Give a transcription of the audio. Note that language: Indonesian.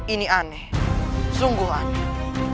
ini aneh sungguh aneh